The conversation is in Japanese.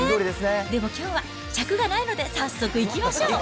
でも、きょうは尺がないので早速いきましょう。